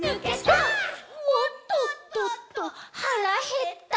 「おっとっとっと腹減った」